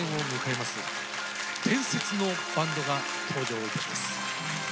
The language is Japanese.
伝説のバンドが登場いたします。